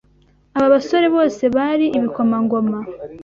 Aba basore bose bari ibikomangoma,